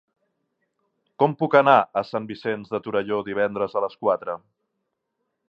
Com puc anar a Sant Vicenç de Torelló divendres a les quatre?